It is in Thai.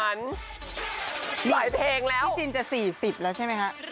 เหมือนหลายเพลงแล้วพี่จินจะสี่สิบแล้วใช่ไหมฮะ